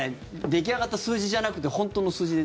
出来上がった数字じゃなくて本当の数字？